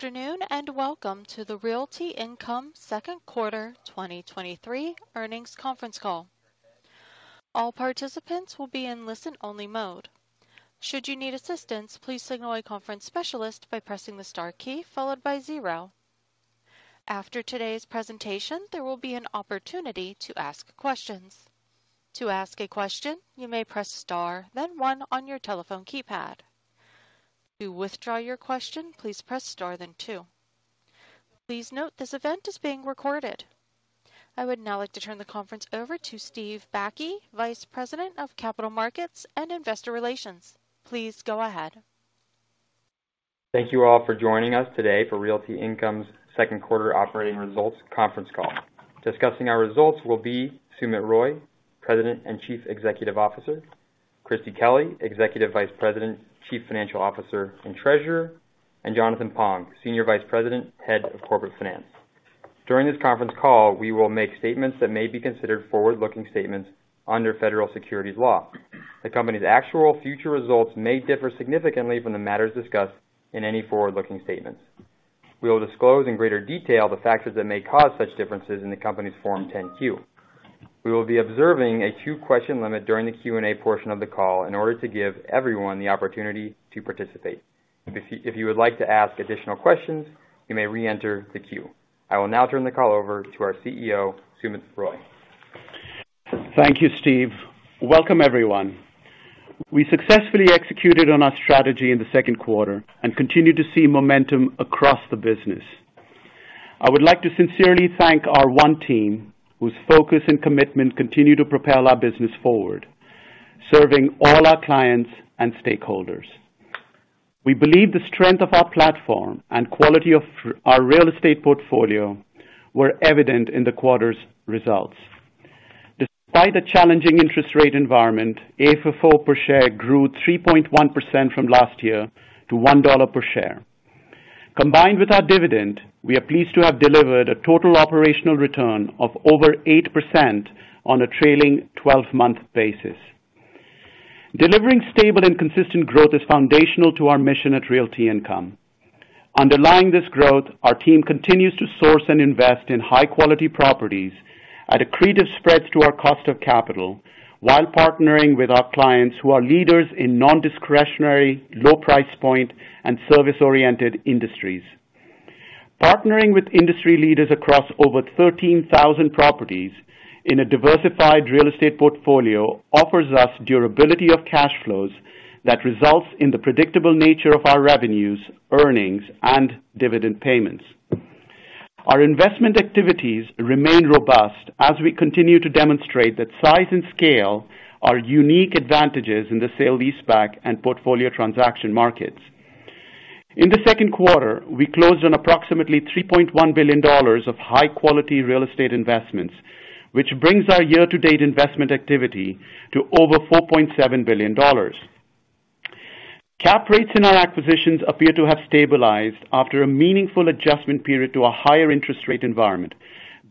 Good afternoon, and welcome to the Realty Income second quarter 2023 earnings conference call. All participants will be in listen-only mode. Should you need assistance, please signal a conference specialist by pressing the star key followed by zero. After today's presentation, there will be an opportunity to ask questions. To ask a question, you may press sstar, then one on your telephone keypad. To withdraw your question, please press star than two. Please note, this event is being recorded. I would now like to turn the conference over to Steve Bakke, Vice President of Capital Markets and Investor Relations. Please go ahead. Thank you all for joining us today for Realty Income's second quarter operating results conference call. Discussing our results will be Sumit Roy, President and Chief Executive Officer, Christie Kelly, Executive Vice President, Chief Financial Officer, and Treasurer, and Jonathan Pong, Senior Vice President, Head of Corporate Finance. During this conference call, we will make statements that may be considered forward-looking statements under federal securities law. The company's actual future results may differ significantly from the matters discussed in any forward-looking statements. We will disclose in greater detail the factors that may cause such differences in the company's Form 10-Q. We will be observing a two-question limit during the Q&A portion of the call in order to give everyone the opportunity to participate. If you would like to ask additional questions, you may reenter the queue. I will now turn the call over to our CEO, Sumit Roy. Thank you, Steve. Welcome, everyone. We successfully executed on our strategy in the second quarter and continued to see momentum across the business. I would like to sincerely thank our one team, whose focus and commitment continue to propel our business forward, serving all our clients and stakeholders. We believe the strength of our platform and quality of our real estate portfolio were evident in the quarter's results. Despite a challenging interest rate environment, AFFO per share grew 3.1% from last year to $1 per share. Combined with our dividend, we are pleased to have delivered a total operational return of over 8% on a trailing 12-month basis. Delivering stable and consistent growth is foundational to our mission at Realty Income. Underlying this growth, our team continues to source and invest in high-quality properties at accretive spreads to our cost of capital, while partnering with our clients who are leaders in nondiscretionary, low price point, and service-oriented industries. Partnering with industry leaders across over 13,000 properties in a diversified real estate portfolio offers us durability of cash flows that results in the predictable nature of our revenues, earnings, and dividend payments. Our investment activities remain robust as we continue to demonstrate that size and scale are unique advantages in the sale-leaseback and portfolio transaction markets. In the second quarter, we closed on approximately $3.1 billion of high-quality real estate investments, which brings our year-to-date investment activity to over $4.7 billion. Cap rates in our acquisitions appear to have stabilized after a meaningful adjustment period to a higher interest rate environment,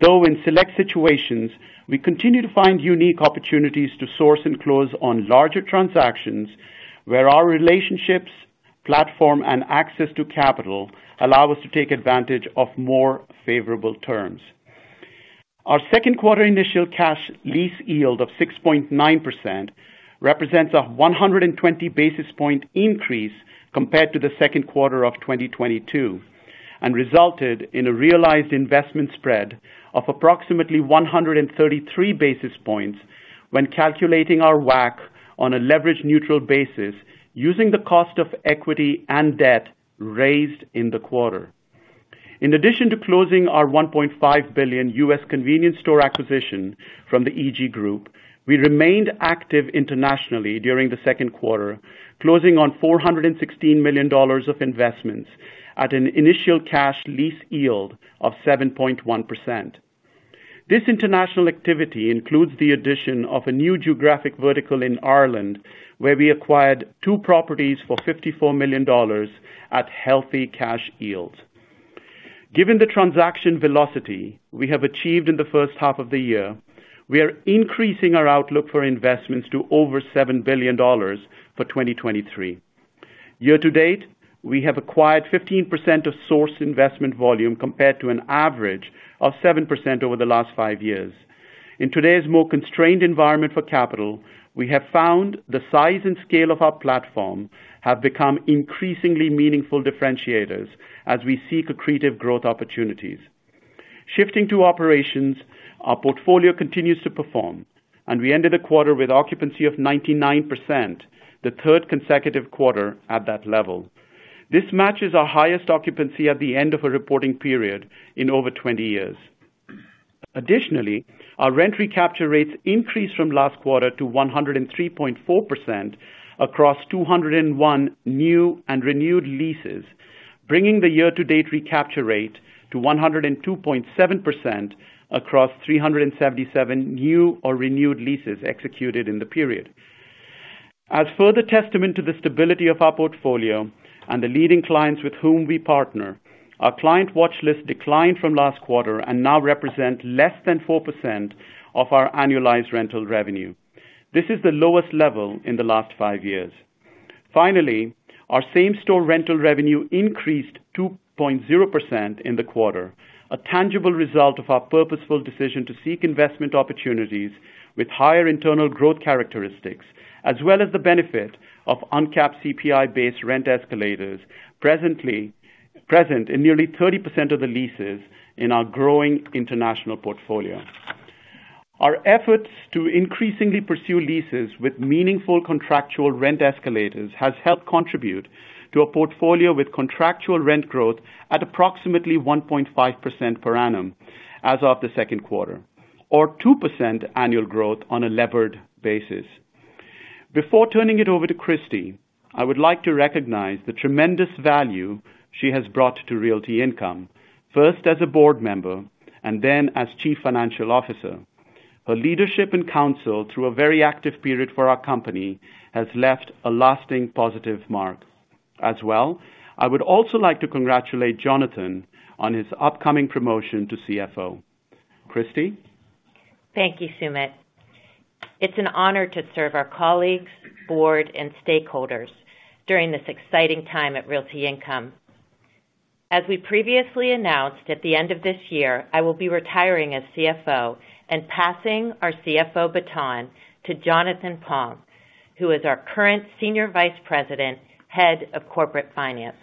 though in select situations, we continue to find unique opportunities to source and close on larger transactions where our relationships, platform, and access to capital allow us to take advantage of more favorable terms. Our second quarter initial cash lease yield of 6.9% represents a 120 basis point increase compared to the second quarter of 2022, and resulted in a realized investment spread of approximately 133 basis points when calculating our WACC on a leverage neutral basis, using the cost of equity and debt raised in the quarter. In addition to closing our $1.5 billion U.S. convenience store acquisition from the EG Group, we remained active internationally during the second quarter, closing on $416 million of investments at an initial cash lease yield of 7.1%. This international activity includes the addition of a new geographic vertical in Ireland, where we acquired two properties for $54 million at healthy cash yields. Given the transaction velocity we have achieved in the first half of the year, we are increasing our outlook for investments to over $7 billion for 2023. Year to date, we have acquired 15% of source investment volume compared to an average of 7% over the last five years. In today's more constrained environment for capital, we have found the size and scale of our platform have become increasingly meaningful differentiators as we seek accretive growth opportunities. Shifting to operations, our portfolio continues to perform, and we ended the quarter with occupancy of 99%, the third consecutive quarter at that level. This matches our highest occupancy at the end of a reporting period in over 20 years. Additionally, our rent recapture rates increased from last quarter to 103.4% across 201 new and renewed leases, bringing the year-to-date recapture rate to 102.7% across 377 new or renewed leases executed in the period. As further testament to the stability of our portfolio and the leading clients with whom we partner, our client watchlist declined from last quarter and now represent less than 4% of our annualized rental revenue. This is the lowest level in the last five years. Finally, our same-store rental revenue increased 2.0% in the quarter, a tangible result of our purposeful decision to seek investment opportunities with higher internal growth characteristics, as well as the benefit of uncapped CPI-based rent escalators, present in nearly 30% of the leases in our growing international portfolio. Our efforts to increasingly pursue leases with meaningful contractual rent escalators has helped contribute to a portfolio with contractual rent growth at approximately 1.5% per annum as of the second quarter, or 2% annual growth on a levered basis. Before turning it over to Christie, I would like to recognize the tremendous value she has brought to Realty Income, first as a board member and then as Chief Financial Officer. Her leadership and counsel through a very active period for our company has left a lasting positive mark. As well, I would also like to congratulate Jonathan on his upcoming promotion to CFO. Christie? Thank you, Sumit. It's an honor to serve our colleagues, board, and stakeholders during this exciting time at Realty Income. As we previously announced, at the end of this year, I will be retiring as CFO and passing our CFO baton to Jonathan Pong, who is our current Senior Vice President, Head of Corporate Finance.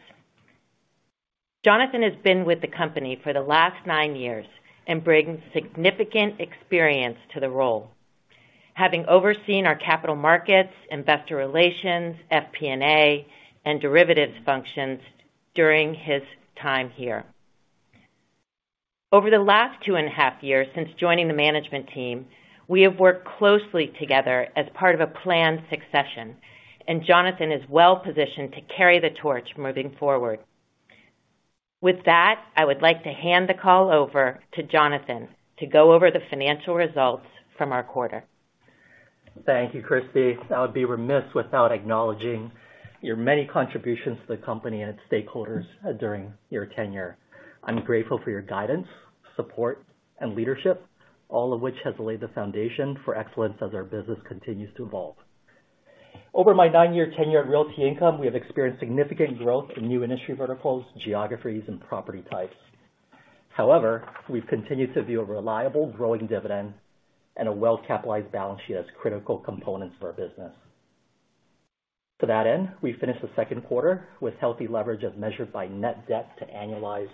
Jonathan has been with the company for the last nine years and brings significant experience to the role, having overseen our capital markets, investor relations, FP&A, and derivatives functions during his time here. Over the last 2.5 years since joining the management team, we have worked closely together as part of a planned succession. Jonathan is well-positioned to carry the torch moving forward. With that, I would like to hand the call over to Jonathan to go over the financial results from our quarter. Thank you, Christie. I would be remiss without acknowledging your many contributions to the company and its stakeholders during your tenure. I'm grateful for your guidance, support, and leadership, all of which has laid the foundation for excellence as our business continues to evolve. Over my nine-year tenure at Realty Income, we have experienced significant growth in new industry verticals, geographies, and property types. However, we've continued to view a reliable growing dividend and a well-capitalized balance sheet as critical components for our business. To that end, we finished the second quarter with healthy leverage as measured by net debt to annualized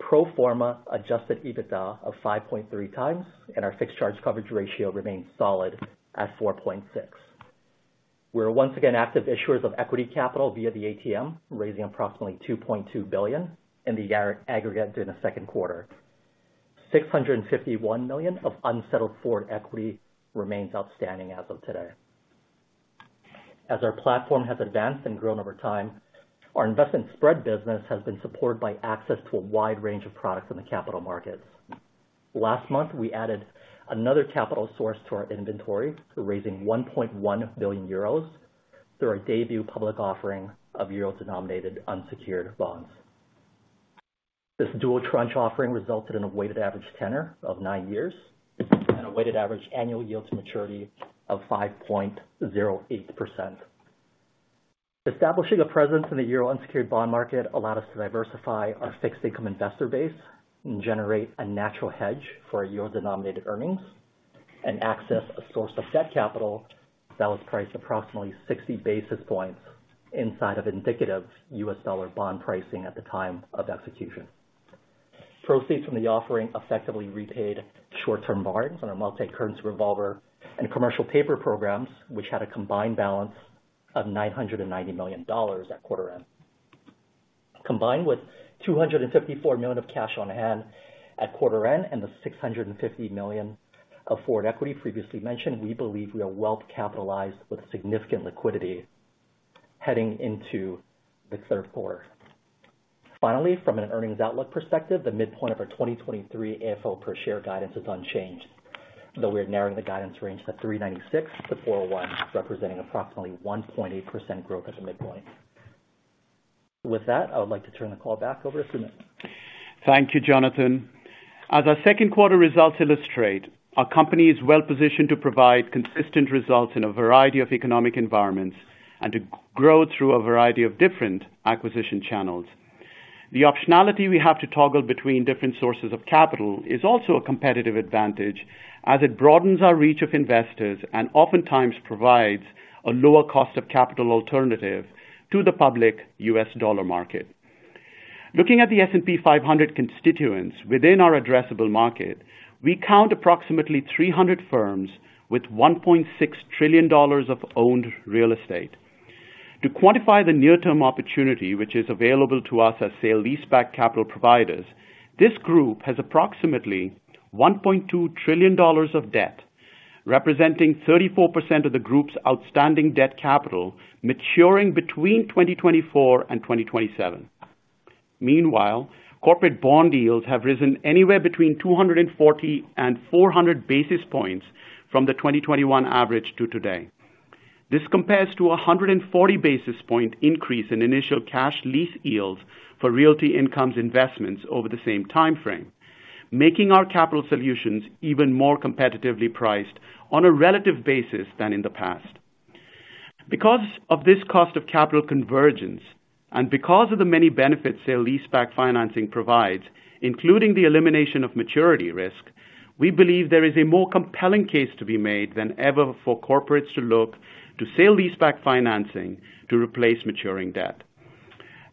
pro forma adjusted EBITDA of 5.3x, and our fixed charge coverage ratio remains solid at 4.6. We're once again active issuers of equity capital via the ATM, raising approximately $2.2 billion in the aggregate during the second quarter. $651 million of unsettled forward equity remains outstanding as of today. As our platform has advanced and grown over time, our investment spread business has been supported by access to a wide range of products in the capital markets. Last month, we added another capital source to our inventory, raising 1.1 billion euros through our debut public offering of euro-denominated unsecured bonds. This dual tranche offering resulted in a weighted average tenor of nine years and a weighted average annual yield to maturity of 5.08%. Establishing a presence in the euro unsecured bond market allowed us to diversify our fixed income investor base and generate a natural hedge for our euro-denominated earnings and access a source of debt capital that was priced approximately 60 basis points inside of indicative US dollar bond pricing at the time of execution. Proceeds from the offering effectively repaid short-term borrowings on our multi-currency revolver and commercial paper programs, which had a combined balance of $990 million at quarter end. Combined with $254 million of cash on hand at quarter end and the $650 million of forward equity previously mentioned, we believe we are well capitalized with significant liquidity heading into the third quarter. Finally, from an earnings outlook perspective, the midpoint of our 2023 AFO per share guidance is unchanged, though we are narrowing the guidance range to $3.96-$4.01, representing approximately 1.8% growth at the midpoint. With that, I would like to turn the call back over to Sumit. Thank you, Jonathan. As our second quarter results illustrate, our company is well positioned to provide consistent results in a variety of economic environments and to grow through a variety of different acquisition channels. The optionality we have to toggle between different sources of capital is also a competitive advantage as it broadens our reach of investors and oftentimes provides a lower cost of capital alternative to the public US dollar market. Looking at the S&P 500 constituents within our addressable market, we count approximately 300 firms with $1.6 trillion of owned real estate. To quantify the near-term opportunity, which is available to us as sale-leaseback capital providers, this group has approximately $1.2 trillion of debt, representing 34% of the group's outstanding debt capital maturing between 2024 and 2027. Meanwhile, corporate bond yields have risen anywhere between 240 and 400 basis points from the 2021 average to today. This compares to 140 basis point increase in initial cash lease yields for Realty Income's investments over the same time frame, making our capital solutions even more competitively priced on a relative basis than in the past. Because of this cost of capital convergence, and because of the many benefits sale-leaseback financing provides, including the elimination of maturity risk, we believe there is a more compelling case to be made than ever for corporates to look to sale-leaseback financing to replace maturing debt.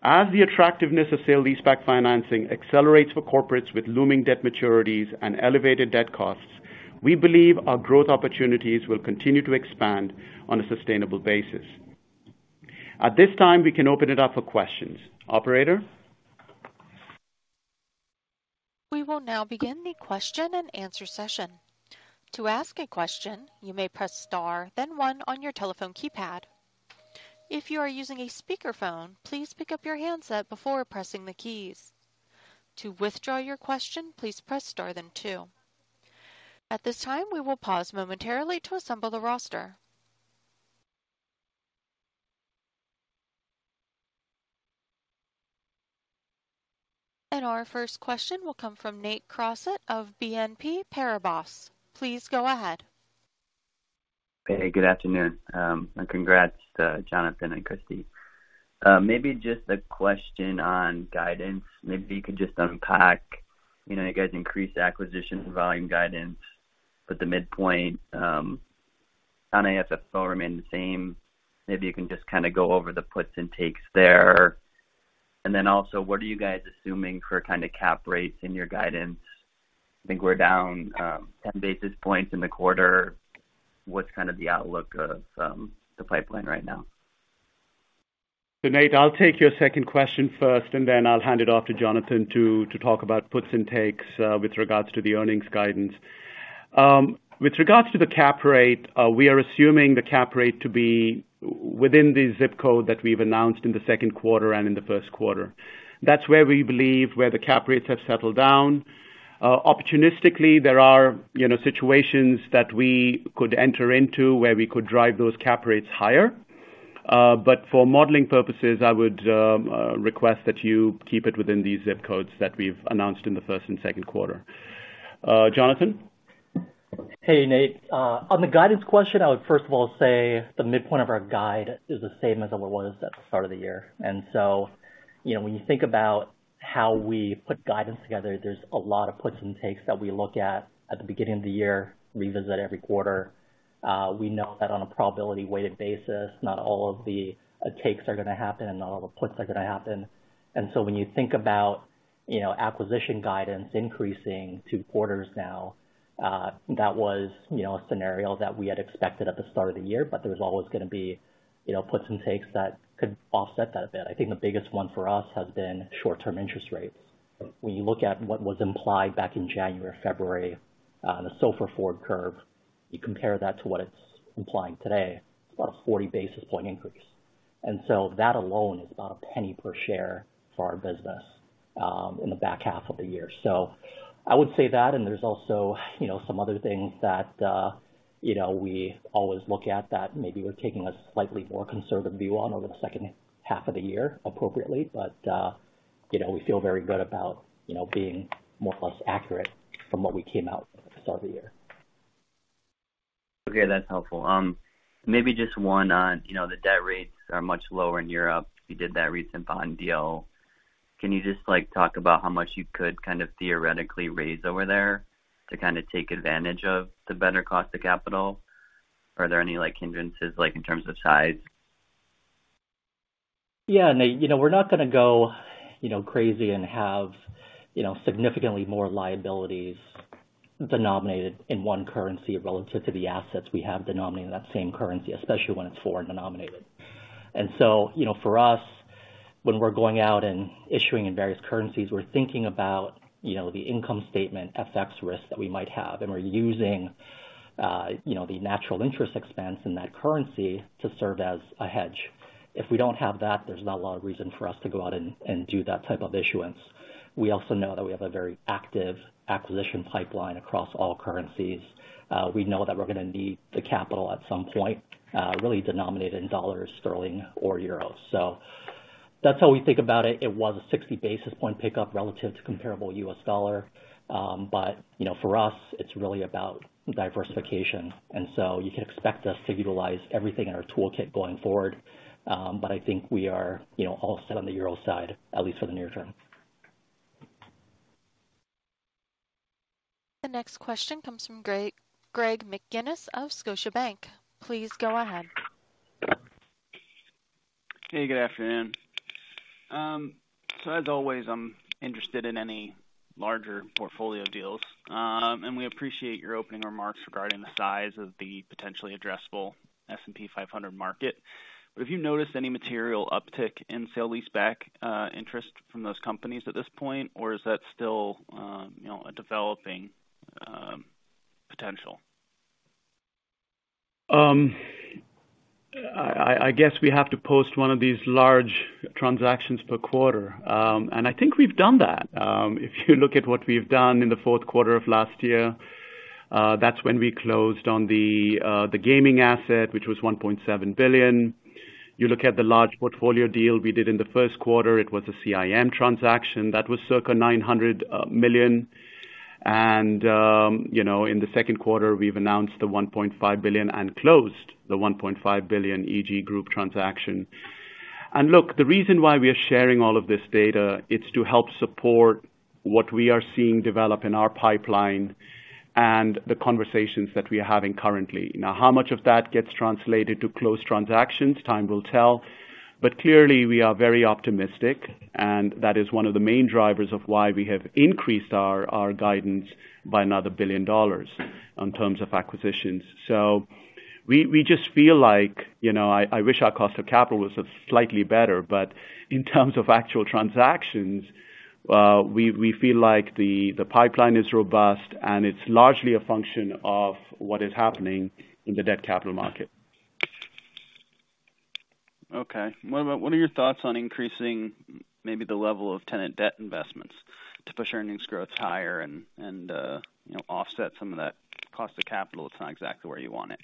As the attractiveness of sale-leaseback financing accelerates for corporates with looming debt maturities and elevated debt costs, we believe our growth opportunities will continue to expand on a sustainable basis. At this time, we can open it up for questions. Operator? We will now begin the question-and-answer session. To ask a question, you may press star, then one on your telephone keypad. If you are using a speakerphone, please pick up your handset before pressing the keys. To withdraw your question, please press star then two. At this time, we will pause momentarily to assemble the roster. Our first question will come from Nate Crossett of BNP Paribas. Please go ahead. Hey, good afternoon. Congrats to Jonathan and Christie. Maybe just a question on guidance. Maybe you could just unpack, you know, you guys increased the acquisition volume guidance at the midpoint, on AFFO remain the same. Maybe you can just kinda go over the puts and takes there. Then also, what are you guys assuming for kinda cap rates in your guidance? I think we're down, 10 basis points in the quarter. What's kind of the outlook of the pipeline right now? Nate, I'll take your second question first, and then I'll hand it off to Jonathan to talk about puts and takes with regards to the earnings guidance. With regards to the cap rate, we are assuming the cap rate to be within the ZIP code that we've announced in the second quarter and in the first quarter. That's where we believe where the cap rates have settled down. Opportunistically, there are, you know, situations that we could enter into where we could drive those cap rates higher. For modeling purposes, I would request that you keep it within the ZIP codes that we've announced in the first and second quarter. Jonathan? Hey, Nate. On the guidance question, I would first of all say the midpoint of our guide is the same as it was at the start of the year. You know, when you think about how we put guidance together, there's a lot of puts and takes that we look at, at the beginning of the year, revisit every quarter. We know that on a probability weighted basis, not all of the takes are going to happen, and not all the puts are going to happen. When you think about, you know, acquisition guidance increasing two quarters now, that was, you know, a scenario that we had expected at the start of the year, but there's always going to be, you know, puts and takes that could offset that a bit. I think the biggest one for us has been short-term interest rates. When you look at what was implied back in January, February, on the SOFR forward curve, you compare that to what it's implying today, it's about a 40 basis point increase. That alone is about $0.01 per share for our business, in the back half of the year. I would say that, and there's also, you know, some other things that, you know, we always look at that maybe we're taking a slightly more conservative view on over the second half of the year, appropriately. We feel very good about, you know, being more plus accurate from what we came out at the start of the year. Okay, that's helpful. Maybe just one on, you know, the debt rates are much lower in Europe. You did that recent bond deal. Can you just, like, talk about how much you could kind of theoretically raise over there to kind of take advantage of the better cost of capital? Are there any, like, hindrances, like, in terms of size? Yeah, Nate, you know, we're not going to go, you know, crazy and have, you know, significantly more liabilities denominated in one currency relative to the assets we have denominated in that same currency, especially when it's foreign denominated. You know, for us, when we're going out and issuing in various currencies, we're thinking about, you know, the income statement, FX risk that we might have, and we're using, you know, the natural interest expense in that currency to serve as a hedge. If we don't have that, there's not a lot of reason for us to go out and, and do that type of issuance. We also know that we have a very active acquisition pipeline across all currencies. We know that we're going to need the capital at some point, really denominated in dollars, sterling, or euros. That's how we think about it. It was a 60 basis point pickup relative to comparable U.S. dollar. You know, for us, it's really about diversification, and so you can expect us to utilize everything in our toolkit going forward. I think we are, you know, all set on the Euro side, at least for the near term. The next question comes from Greg, Greg McGinnis of Scotiabank. Please go ahead. Hey, good afternoon. As always, I'm interested in any larger portfolio deals. We appreciate your opening remarks regarding the size of the potentially addressable S&P 500 market. Have you noticed any material uptick in sale-leaseback interest from those companies at this point, or is that still, you know, a developing potential? I guess we have to post one of these large transactions per quarter, and I think we've done that. If you look at what we've done in the fourth quarter of last year, that's when we closed on the gaming asset, which was $1.7 billion. You look at the large portfolio deal we did in the first quarter, it was a CIM transaction that was circa $900 million. In the second quarter, we've announced the $1.5 billion and closed the $1.5 billion EG Group transaction. Look, the reason why we are sharing all of this data, it's to help support what we are seeing develop in our pipeline and the conversations that we are having currently. Now, how much of that gets translated to close transactions? Time will tell. Clearly, we are very optimistic, and that is one of the main drivers of why we have increased our guidance by another $1 billion in terms of acquisitions. We just feel like, you know, I wish our cost of capital was slightly better, but in terms of actual transactions, we feel like the pipeline is robust and it's largely a function of what is happening in the debt capital market. Okay. What are your thoughts on increasing maybe the level of tenant debt investments to push earnings growth higher and, you know, offset some of that cost of capital? It's not exactly where you want it.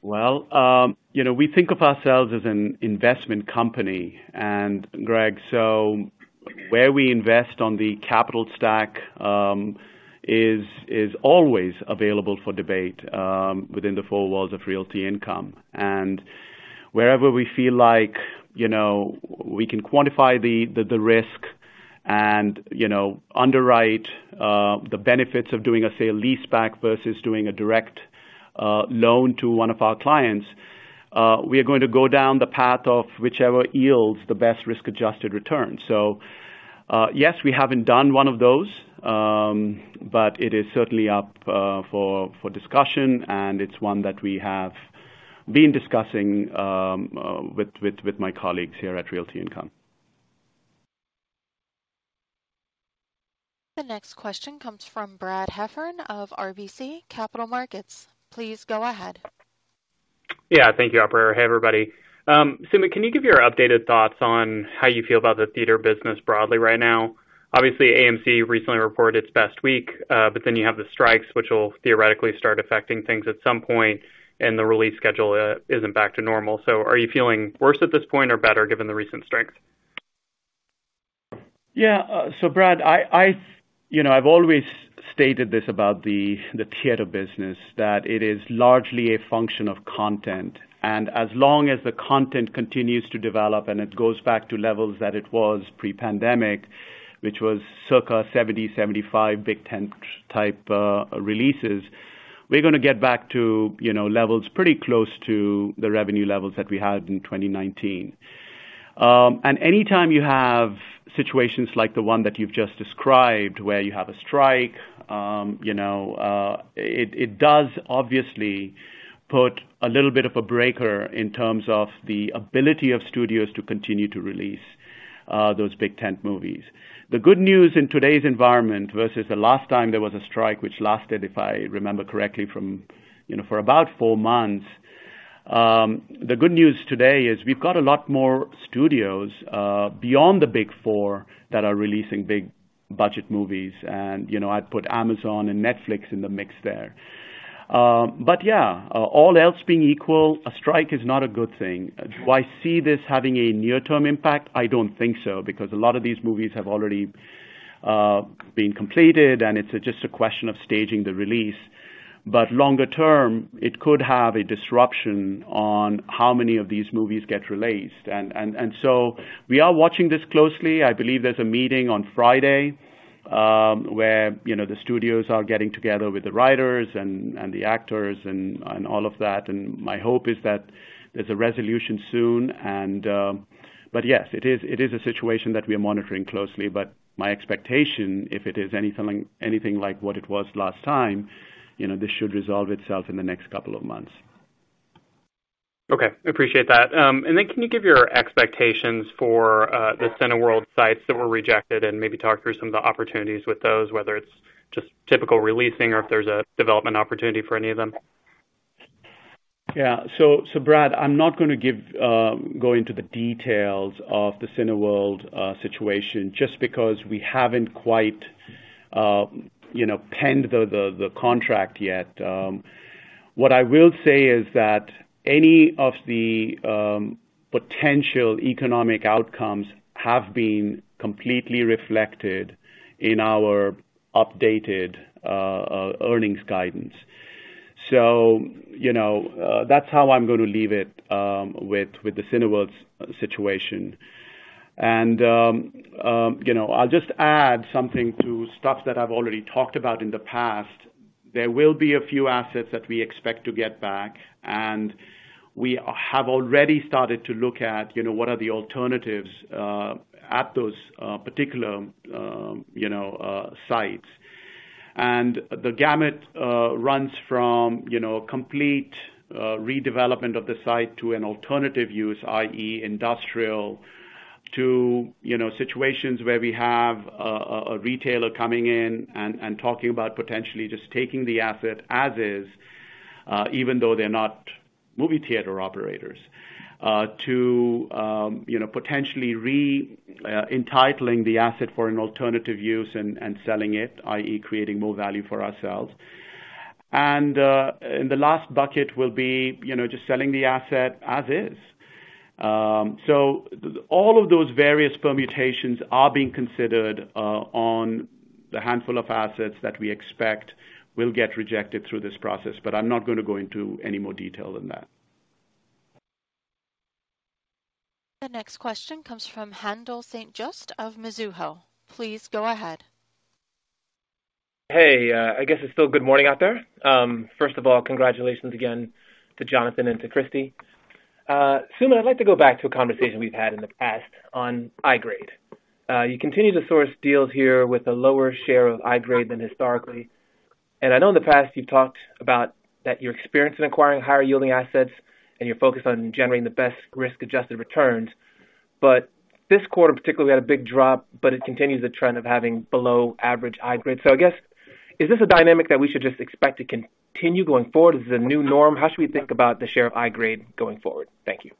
Well, you know, we think of ourselves as an investment company, and Greg, where we invest on the capital stack, is always available for debate within the four walls of Realty Income. Wherever we feel like, you know, we can quantify the, the, the risk and, you know, underwrite the benefits of doing a sale-leaseback versus doing a direct loan to one of our clients, we are going to go down the path of whichever yields the best risk-adjusted return. Yes, we haven't done one of those, but it is certainly up for discussion, and it's one that we have been discussing with, with, with my colleagues here at Realty Income. The next question comes from Brad Heffern of RBC Capital Markets. Please go ahead. Yeah, thank you, Operator. Hey, everybody. Sumit, can you give your updated thoughts on how you feel about the theater business broadly right now? Obviously, AMC recently reported its best week, but then you have the strikes, which will theoretically start affecting things at some point, and the release schedule isn't back to normal. Are you feeling worse at this point or better, given the recent strength? Yeah. So Brad, I, I-- you know, I've always stated this about the, the theater business, that it is largely a function of content. As long as the content continues to develop, and it goes back to levels that it was pre-pandemic, which was circa 70-75 big tent type releases, we're gonna get back to, you know, levels pretty close to the revenue levels that we had in 2019. Anytime you have situations like the one that you've just described, where you have a strike, you know, it, it does obviously put a little bit of a breaker in terms of the ability of studios to continue to release, those big tent movies. The good news in today's environment versus the last time there was a strike, which lasted, if I remember correctly, from, you know, for about four months. The good news today is we've got a lot more studios beyond the Big Four, that are releasing big budget movies, and, you know, I'd put Amazon and Netflix in the mix there. All else being equal, a strike is not a good thing. Do I see this having a near-term impact? I don't think so, because a lot of these movies have already been completed, and it's just a question of staging the release. Longer term, it could have a disruption on how many of these movies get released. We are watching this closely. I believe there's a meeting on Friday, where, you know, the studios are getting together with the writers and the actors and all of that. My hope is that there's a resolution soon. But yes, it is, it is a situation that we are monitoring closely, but my expectation, if it is anything like, anything like what it was last time, you know, this should resolve itself in the next couple of months. Okay, appreciate that. Then can you give your expectations for the Cineworld sites that were rejected and maybe talk through some of the opportunities with those, whether it's just typical releasing or if there's a development opportunity for any of them? Yeah. Brad, I'm not gonna give, go into the details of the Cineworld situation just because we haven't quite, you know, penned the, the, the contract yet. What I will say is that any of the potential economic outcomes have been completely reflected in our updated earnings guidance. You know, that's how I'm going to leave it with, with the Cineworld's situation. You know, I'll just add something to stuff that I've already talked about in the past. There will be a few assets that we expect to get back, and we have already started to look at, you know, what are the alternatives at those particular, you know, sites. The gamut runs from, you know, complete redevelopment of the site to an alternative use, i.e., industrial, to, you know, situations where we have a, a, a retailer coming in and, and talking about potentially just taking the asset as is. Even though they're not movie theater operators, to, you know, potentially re-entitling the asset for an alternative use and, and selling it, i.e., creating more value for ourselves. The last bucket will be, you know, just selling the asset as is. All of those various permutations are being considered on the handful of assets that we expect will get rejected through this process, but I'm not gonna go into any more detail than that. The next question comes from Haendel St. Juste of Mizuho. Please go ahead. Hey, I guess it's still good morning out there. First of all, congratulations again to Jonathan and to Christie. Sumit, I'd like to go back to a conversation we've had in the past on Igrade. You continue to source deals here with a lower share of Igrade than historically. I know in the past you've talked about that you're experienced in acquiring higher-yielding assets, and you're focused on generating the best risk-adjusted returns. This quarter, particularly, we had a big drop, but it continues the trend of having below average Igrade. I guess, is this a dynamic that we should just expect to continue going forward? Is this a new norm? How should we think about the share of Igrade going forward? Thank you.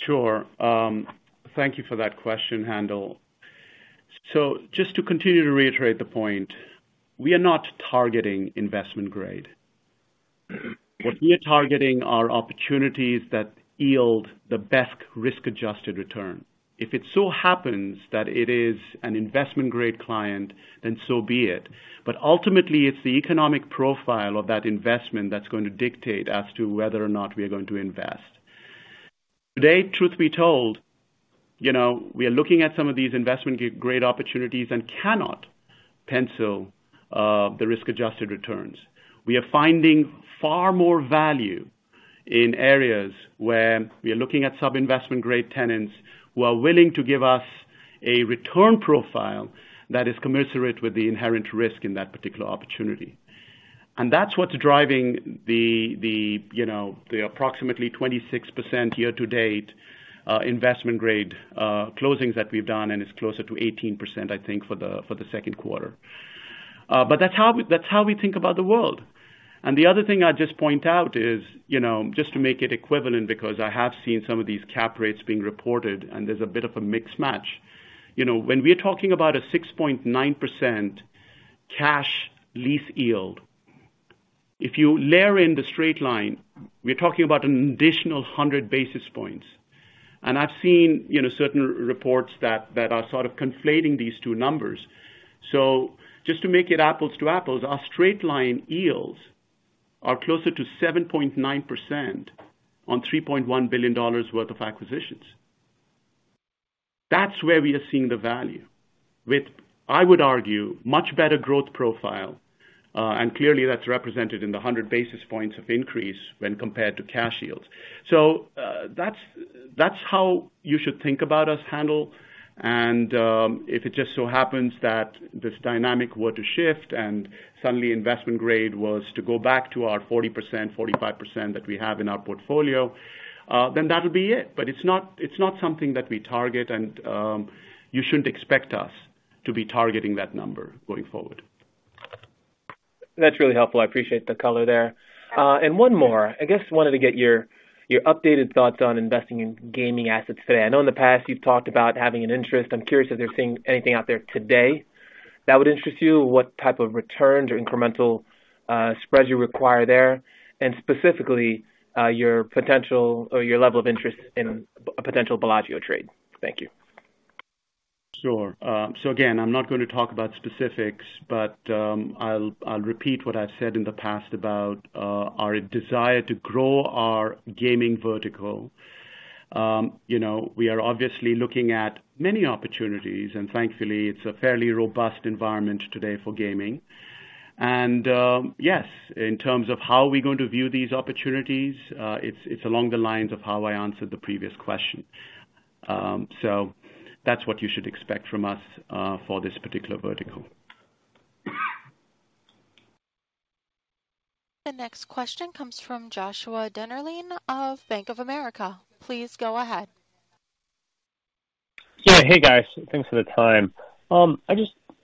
Sure. Thank you for that question, Haendel. Just to continue to reiterate the point, we are not targeting investment grade. What we are targeting are opportunities that yield the best risk-adjusted return. If it so happens that it is an investment-grade client, then so be it. Ultimately, it's the economic profile of that investment that's going to dictate as to whether or not we are going to invest. Today, truth be told, you know, we are looking at some of these investment great opportunities and cannot pencil the risk-adjusted returns. We are finding far more value in areas where we are looking at sub-investment grade tenants who are willing to give us a return profile that is commensurate with the inherent risk in that particular opportunity. That's what's driving the, the, you know, the approximately 26% year to date, investment grade, closings that we've done, and it's closer to 18%, I think, for the, for the second quarter. That's how, that's how we think about the world. The other thing I'd just point out is, you know, just to make it equivalent, because I have seen some of these cap rates being reported, and there's a bit of a mix match. You know, when we're talking about a 6.9% cash lease yield, if you layer in the straight-line rent, we're talking about an additional 100 basis points. I've seen, you know, certain reports that, that are sort of conflating these two numbers. Just to make it apples to apples, our straight-line rent yields are closer to 7.9% on $3.1 billion worth of acquisitions. That's where we are seeing the value, with, I would argue, much better growth profile, and clearly that's represented in the 100 basis points of increase when compared to cash yields. That's, that's how you should think about us, Haendel, and if it just so happens that this dynamic were to shift and suddenly investment grade was to go back to our 40%, 45% that we have in our portfolio, then that would be it. It's not, it's not something that we target, and you shouldn't expect us to be targeting that number going forward. That's really helpful. I appreciate the color there. One more. I guess I wanted to get your, your updated thoughts on investing in gaming assets today. I know in the past you've talked about having an interest. I'm curious if there's anything out there today that would interest you, what type of returns or incremental spreads you require there, and specifically, your potential or your level of interest in a potential Bellagio trade. Thank you. Sure. So again, I'm not going to talk about specifics, but I'll, I'll repeat what I've said in the past about our desire to grow our gaming vertical. You know, we are obviously looking at many opportunities, and thankfully, it's a fairly robust environment today for gaming. Yes, in terms of how we're going to view these opportunities, it's, it's along the lines of how I answered the previous question. That's what you should expect from us for this particular vertical. The next question comes from Joshua Dennerlein of Bank of America. Please go ahead. Yeah. Hey, guys. Thanks for the time.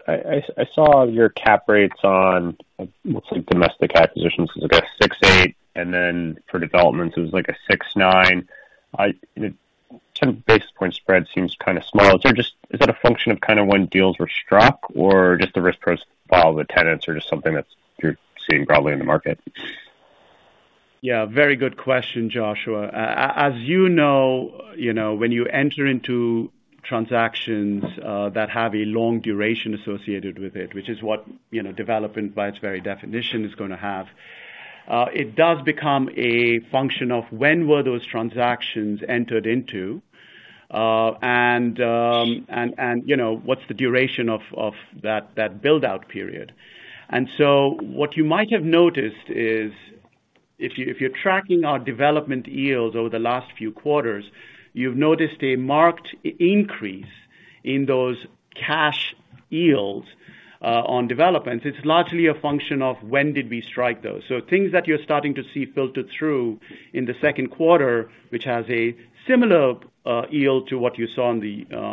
I saw your cap rates on, looks like domestic acquisitions. It was about 6.8%, and then for developments, it was like a 6.9%. 10 basis point spread seems kinda small. Is that a function of kind of when deals were struck or just the risk profile of the tenants, or just something that's you're seeing broadly in the market? Yeah, very good question, Joshua. As you know, you know, when you enter into transactions, that have a long duration associated with it, which is what, you know, development by its very definition is gonna have, it does become a function of when were those transactions entered into, and, you know, what's the duration of that build-out period. So what you might have noticed is, if you, if you're tracking our development yields over the last few quarters, you've noticed a marked increase in those cash yields. On developments, it's largely a function of when did we strike those? Things that you're starting to see filtered through in the second quarter, which has a similar yield to what you saw on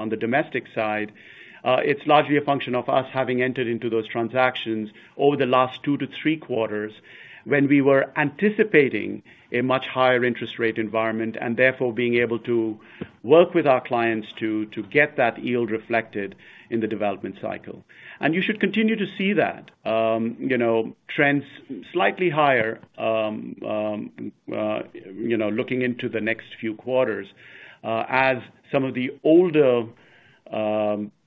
the domestic side, it's largely a function of us having entered into those transactions over the last two to three quarters, when we were anticipating a much higher interest rate environment, and therefore being able to work with our clients to get that yield reflected in the development cycle. You should continue to see that, you know, trends slightly higher, you know, looking into the next few quarters, as some of the older,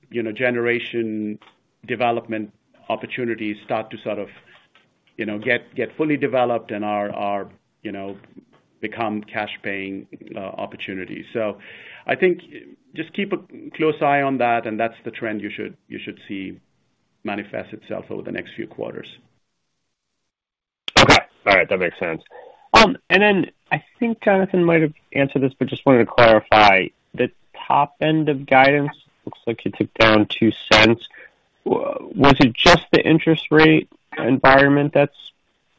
you know, generation development opportunities start to sort of, you know, get, get fully developed and are, are, you know, become cash-paying opportunities. I think just keep a close eye on that, and that's the trend you should, you should see manifest itself over the next few quarters. Okay. All right, that makes sense. Then I think Jonathan might have answered this, but just wanted to clarify. The top end of guidance looks like you took down $0.02. Was it just the interest rate environment that's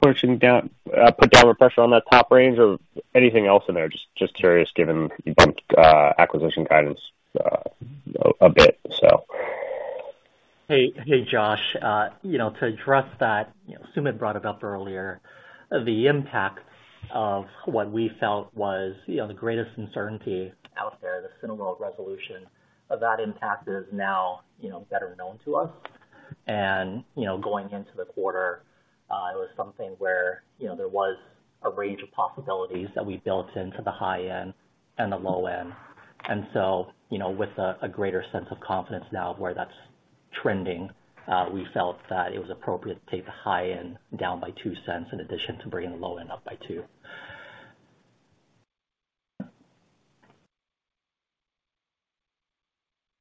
pushing down, put downward pressure on that top range or anything else in there? Just, just curious, given you bumped acquisition guidance a bit, so. Hey, hey, Josh, you know, to address that, you know, Sumit brought it up earlier, the impact of what we felt was, you know, the greatest uncertainty out there, the cinema resolution of that impact is now, you know, better known to us. You know, going into the quarter, it was something where, you know, there was a range of possibilities that we built into the high end and the low end. So, you know, with a, a greater sense of confidence now of where that's trending, we felt that it was appropriate to take the high end down by $0.02, in addition to bringing the low end up by $0.02.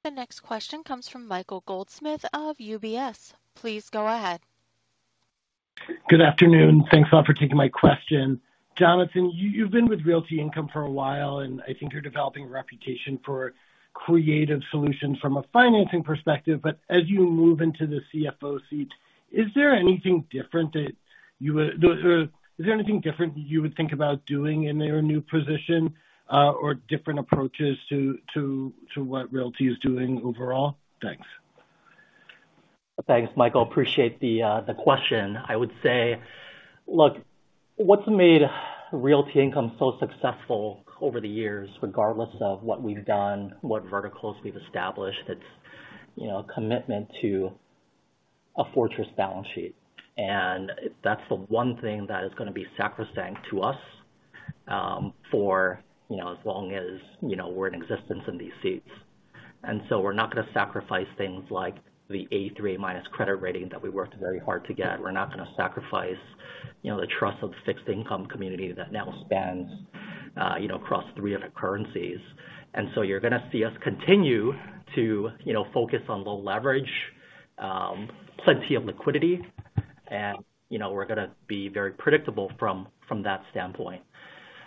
The next question comes from Michael Goldsmith of UBS. Please go ahead. Good afternoon. Thanks a lot for taking my question. Jonathan, you, you've been with Realty Income for a while, and I think you're developing a reputation for creative solutions from a financing perspective. As you move into the CFO seat, is there anything different you would think about doing in your new position, or different approaches to what Realty is doing overall? Thanks. Thanks, Michael. Appreciate the question. I would say, look, what's made Realty Income so successful over the years, regardless of what we've done, what verticals we've established, it's, you know, a commitment to a fortress balance sheet. That's the one thing that is gonna be sacrosanct to us for, you know, as long as, you know, we're in existence in these seats. We're not gonna sacrifice things like the A3- credit rating that we worked very hard to get. We're not gonna sacrifice, you know, the trust of the fixed income community that now spans, you know, across three other currencies. You're gonna see us continue to, you know, focus on low leverage, plenty of liquidity, and, you know, we're gonna be very predictable from, from that standpoint.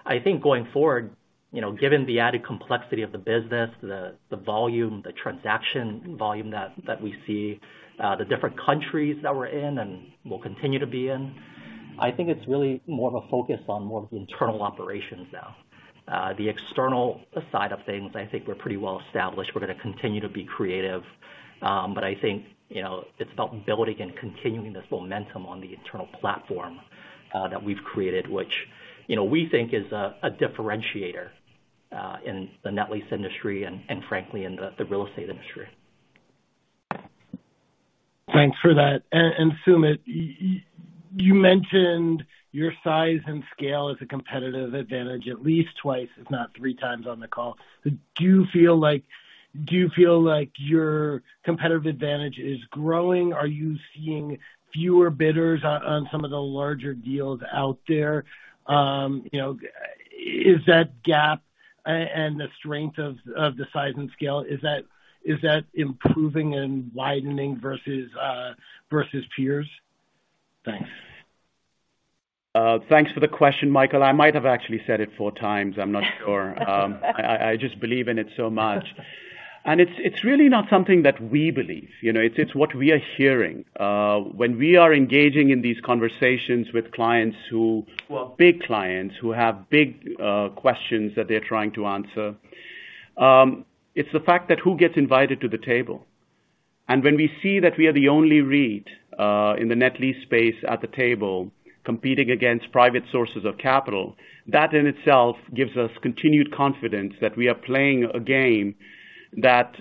I think going forward, you know, given the added complexity of the business, the, the volume, the transaction volume that, that we see, the different countries that we're in and will continue to be in, I think it's really more of a focus on more of the internal operations now. The external side of things, I think we're pretty well established. We're gonna continue to be creative, but I think, you know, it's about building and continuing this momentum on the internal platform that we've created, which, you know, we think is a, a differentiator, in the net lease industry and, and frankly, in the, the real estate industry. Thanks for that. Sumit, you mentioned your size and scale is a competitive advantage, at least twice, if not 3x on the call. Do you feel like, do you feel like your competitive advantage is growing? Are you seeing fewer bidders on, on some of the larger deals out there? You know, is that gap and the strength of the size and scale, is that improving and widening versus versus peers? Thanks. Thanks for the question, Michael. I might have actually said it 4x. I'm not sure. I just believe in it so much. It's, it's really not something that we believe, you know, it's, it's what we are hearing. When we are engaging in these conversations with clients who are big clients, who have big questions that they're trying to answer, it's the fact that who gets invited to the table. When we see that we are the only REIT in the net lease space at the table competing against private sources of capital, that in itself gives us continued confidence that we are playing a game that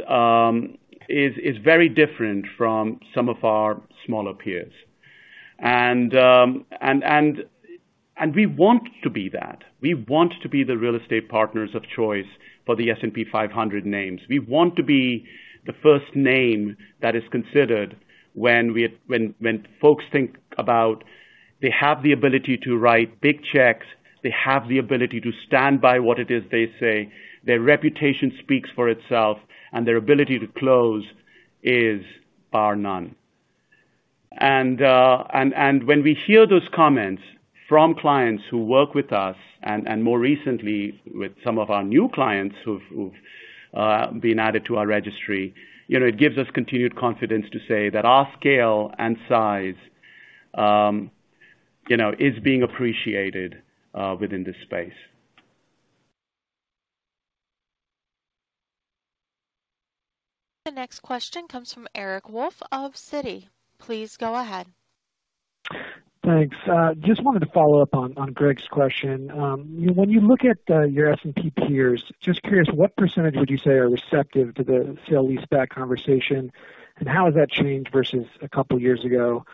is very different from some of our smaller peers. We want to be that. We want to be the real estate partners of choice for the S&P 500 names. We want to be the first name that is considered when folks think about they have the ability to write big checks, they have the ability to stand by what it is they say, their reputation speaks for itself, and their ability to close is bar none. When we hear those comments from clients who work with us and, more recently with some of our new clients who've been added to our registry, you know, it gives us continued confidence to say that our scale and size, you know, is being appreciated within this space. The next question comes from Eric Wolfe of Citi. Please go ahead. Thanks. Just wanted to follow up on Greg's question. When you look at your S&P peers, just curious, what % would you say are receptive to the sale-leaseback conversation, and how has that changed versus two years ago?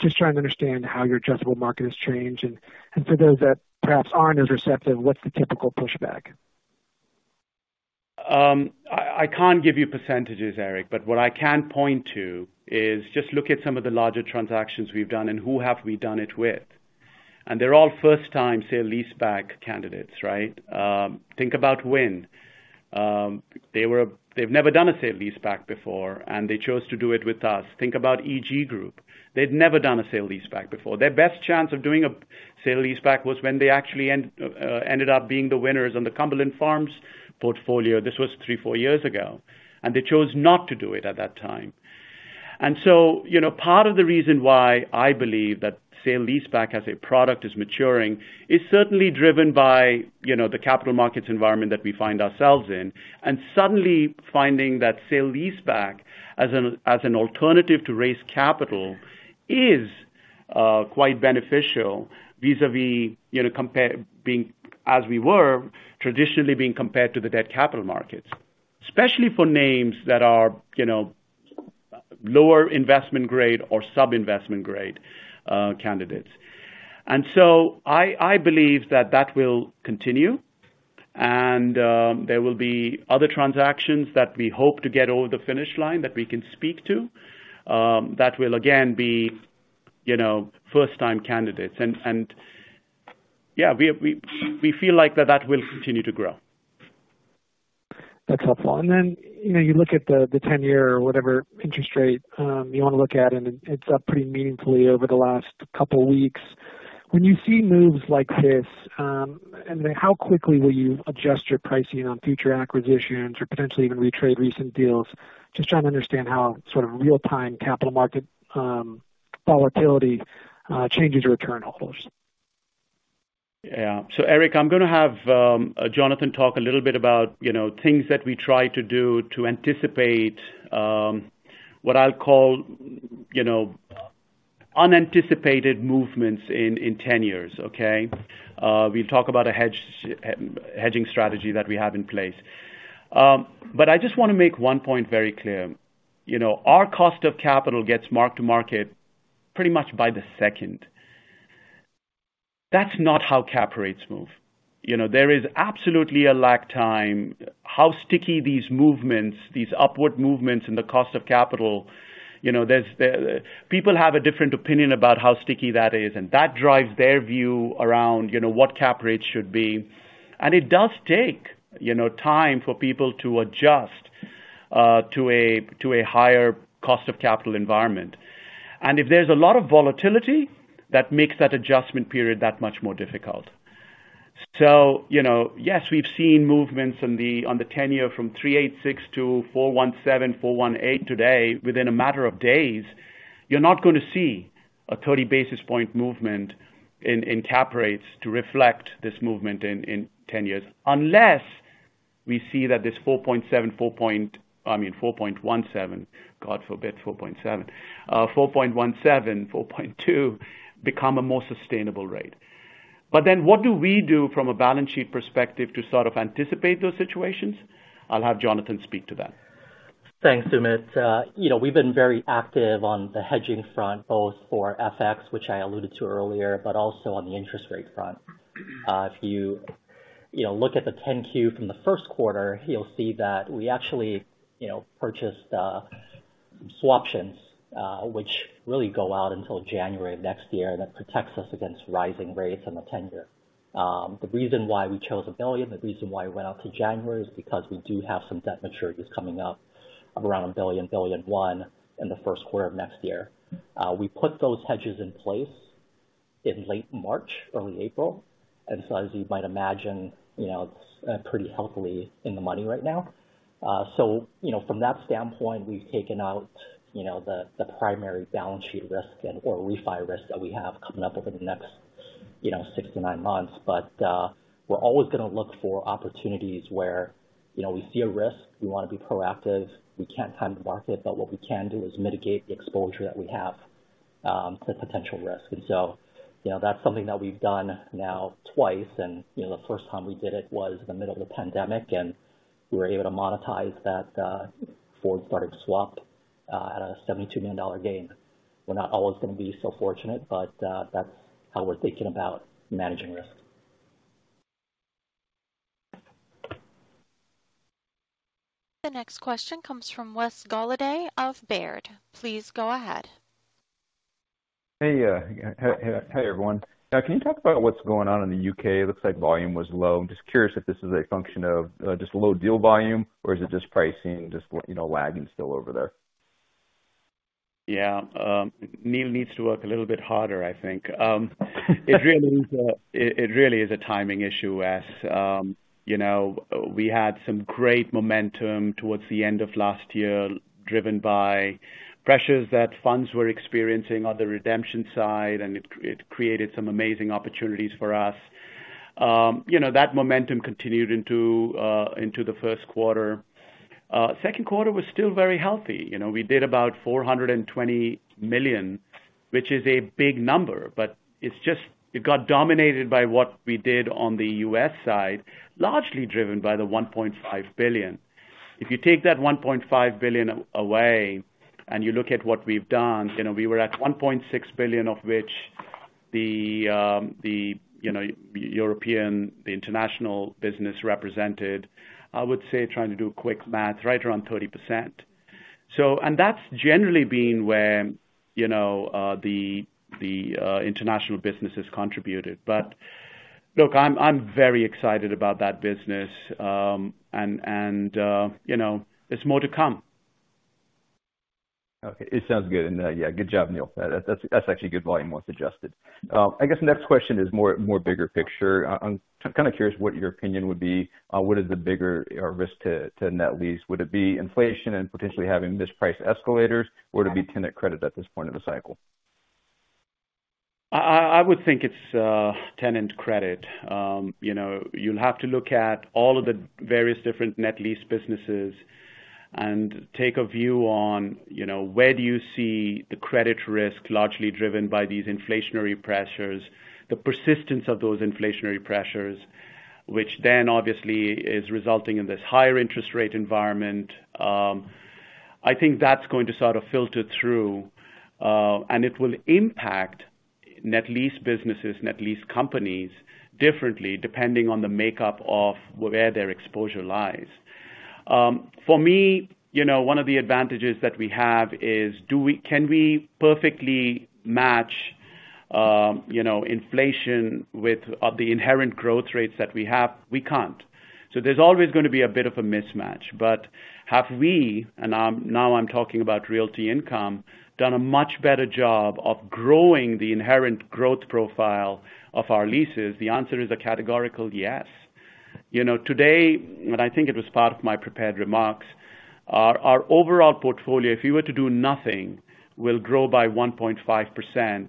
Just trying to understand how your adjustable market has changed, and for those that perhaps aren't as receptive, what's the typical pushback? I, I can't give you percentages, Eric, but what I can point to is just look at some of the larger transactions we've done and who have we done it with. They're all first-time sale-leaseback candidates, right? Think about Wynn. They've never done a sale-leaseback before, and they chose to do it with us. Think about EG Group. They'd never done a sale-leaseback before. Their best chance of doing a sale-leaseback was when they actually ended up being the winners on the Cumberland Farms portfolio. This was three, four years ago, and they chose not to do it at that time. So, you know, part of the reason why I believe that sale-leaseback as a product is maturing, is certainly driven by, you know, the capital markets environment that we find ourselves in, and suddenly finding that sale-leaseback as an, as an alternative to raise capital is, quite beneficial vis-a-vis, you know, compare being, as we were traditionally being compared to the debt capital markets. Especially for names that are, you know, lower investment grade or sub-investment grade, candidates. So I, I believe that that will continue, and, there will be other transactions that we hope to get over the finish line that we can speak to, that will, again, be, you know, first-time candidates. Yeah, we, we, we feel like that that will continue to grow. That's helpful. Then, you know, you look at the, the 10-year or whatever interest rate, you want to look at, and it's up pretty meaningfully over the last couple of weeks. When you see moves like this, I mean, how quickly will you adjust your pricing on future acquisitions or potentially even retrade recent deals? Just trying to understand how sort of real-time capital market, volatility, changes return holders. Yeah. Eric, I'm going to have Jonathan talk a little bit about, you know, things that we try to do to anticipate what I'll call, you know, unanticipated movements in, in 10 years, okay? We'll talk about a hedge, hedging strategy that we have in place. But I just want to make one point very clear. You know, our cost of capital gets marked to market pretty much by the second. That's not how cap rates move. You know, there is absolutely a lag time. How sticky these movements, these upward movements in the cost of capital, you know, there's people have a different opinion about how sticky that is, and that drives their view around, you know, what cap rates should be. It does take, you know, time for people to adjust to a higher cost of capital environment. If there's a lot of volatility, that makes that adjustment period that much more difficult. You know, yes, we've seen movements on the tenure from 386 to 417, 418 today, within a matter of days. You're not going to see a 30 basis point movement in cap rates to reflect this movement in 10 years, unless we see that this 4.7, I mean, 4.17, God forbid, 4.7. 4.17, 4.2, become a more sustainable rate. Then what do we do from a balance sheet perspective to sort of anticipate those situations? I'll have Jonathan speak to that. Thanks, Sumit. You know, we've been very active on the hedging front, both for FX, which I alluded to earlier, but also on the interest rate front. If you, you know, look at the 10-Q from the first quarter, you'll see that we actually, you know, purchased swap options, which really go out until January of next year. That protects us against rising rates on the tenure. The reason why we chose $1 billion, the reason why we went out to January, is because we do have some debt maturities coming up around $1 billion-$1.1 billion in the first quarter of next year. We put those hedges in place in late March, early April, as you might imagine, you know, it's pretty healthily in the money right now. You know, from that standpoint, we've taken out, you know, the, the primary balance sheet risk and... or refi risk that we have coming up over the next, you know, six to nine months. We're always going to look for opportunities where, you know, we see a risk, we want to be proactive. We can't time the market, but what we can do is mitigate the exposure that we have to potential risk. So, you know, that's something that we've done now twice, and, you know, the first time we did it was in the middle of the pandemic, and we were able to monetize that forward-start swap at a $72 million gain. We're not always going to be so fortunate, but that's how we're thinking about managing risk. The next question comes from Wes Golladay of Baird. Please go ahead. Hey, hey, hey, everyone. Now, can you talk about what's going on in the U.K.? It looks like volume was low. I'm just curious if this is a function of just low deal volume, or is it just pricing, you know, lagging still over there? Yeah, Neil needs to work a little bit harder, I think. It really is a timing issue as, you know, we had some great momentum towards the end of last year, driven by pressures that funds were experiencing on the redemption side, and it created some amazing opportunities for us. You know, that momentum continued into the first quarter. Second quarter was still very healthy. You know, we did about $420 million, which is a big number, but it's just it got dominated by what we did on the U.S. side, largely driven by the $1.5 billion. If you take that $1.5 billion, and you look at what we've done, you know, we were at $1.6 billion, of which the, you know, European, the international business represented, I would say, trying to do quick math, right around 30%. That's generally been where, you know, the international business has contributed. Look, I'm very excited about that business, and, you know, there's more to come. Okay. It sounds good. Yeah, good job, Neil. That, that's, that's actually good volume once adjusted. I guess the next question is more, more bigger picture. I-I'm kind of curious what your opinion would be. What is the bigger risk to, to net lease? Would it be inflation and potentially having mispriced escalators, or would it be tenant credit at this point in the cycle? I, I, I would think it's tenant credit. You know, you'll have to look at all of the various different net lease businesses and take a view on, you know, where do you see the credit risk largely driven by these inflationary pressures, the persistence of those inflationary pressures, which then obviously is resulting in this higher interest rate environment. I think that's going to sort of filter through and it will impact net lease businesses, net lease companies differently, depending on the makeup of where their exposure lies. For me, you know, one of the advantages that we have is, do we-- can we perfectly match, you know, inflation with of the inherent growth rates that we have? We can't. There's always going to be a bit of a mismatch. Have we, and now I'm talking about Realty Income, done a much better job of growing the inherent growth profile of our leases? The answer is a categorical yes. You know, today, and I think it was part of my prepared remarks, our overall portfolio, if you were to do nothing, will grow by 1.5%,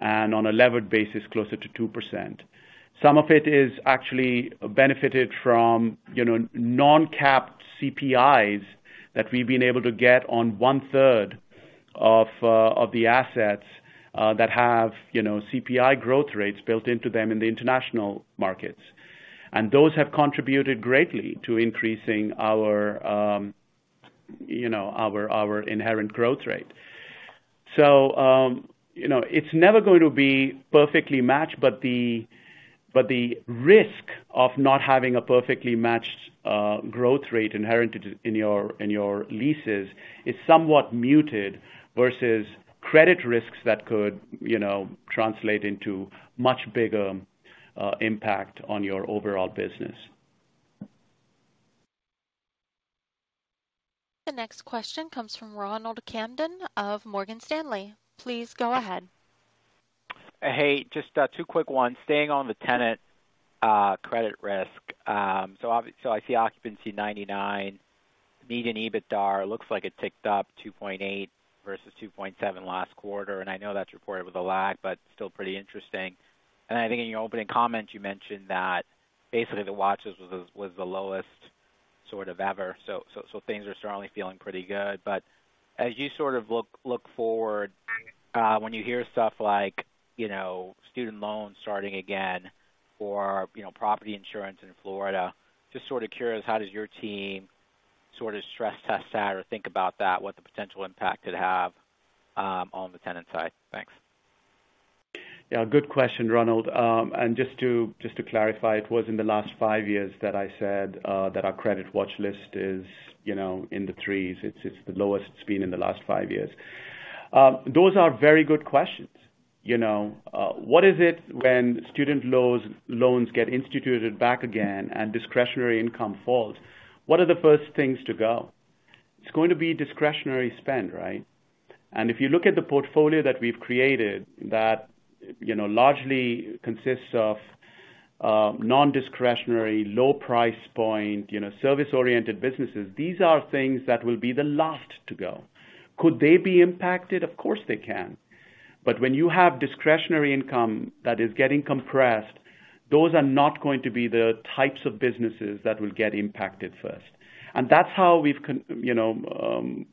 and on a levered basis, closer to 2%. Some of it is actually benefited from, you know, non-capped CPIs that we've been able to get on one third of the assets that have, you know, CPI growth rates built into them in the international markets. Those have contributed greatly to increasing our, you know, our inherent growth rate. You know, it's never going to be perfectly matched, but the risk of not having a perfectly matched growth rate inherited in your, in your leases is somewhat muted versus credit risks that could, you know, translate into much bigger impact on your overall business. The next question comes from Ronald Kamdem of Morgan Stanley. Please go ahead. Hey, just two quick ones. Staying on the tenant credit risk. So I see occupancy 99. Median EBITDA looks like it ticked up 2.8 versus 2.7 last quarter, and I know that's reported with a lag, still pretty interesting. I think in your opening comments, you mentioned that basically, the watches was the lowest sort of ever. So things are certainly feeling pretty good. As you sort of look forward, when you hear stuff like, you know, student loans starting again or, you know, property insurance in Florida, just sort of curious, how does your team sort of stress test that or think about that, what the potential impact it have on the tenant side? Thanks. Yeah, good question, Ronald. Just to, just to clarify, it was in the last five years that I said that our credit watch list is, you know, in the three's. It's, it's the lowest it's been in the last five years. Those are very good questions. You know, what is it when student loans, loans get instituted back again and discretionary income falls? What are the 1st things to go? It's going to be discretionary spend, right? If you look at the portfolio that we've created, that, you know, largely consists of non-discretionary, low price point, you know, service-oriented businesses, these are things that will be the last to go. Could they be impacted? Of course they can. When you have discretionary income that is getting compressed, those are not going to be the types of businesses that will get impacted first. That's how we've you know,